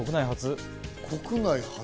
国内初。